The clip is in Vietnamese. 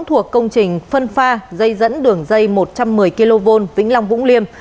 thuộc công trình phân pha dây dẫn đường dây một trăm một mươi kv vĩnh long vũng liêm